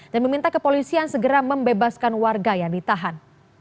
dan meminta kepolisian segera membebaskan warga yang ditahan